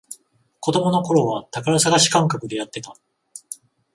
子供のころは宝探し感覚でやってた